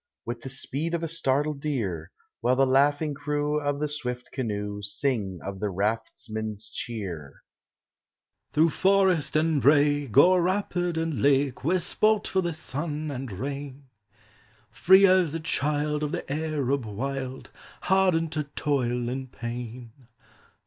With the speed of a startled deer, While the laughing crew Of the swift canoe Sing of the raftsmen's cheer: " Through forest and brake, O'er rapid and lake, We 're sport for the sun and rain ; Free as the child Of the Arab wild, Hardened to toil and pain.